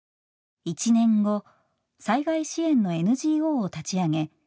１年後災害支援のＮＧＯを立ち上げ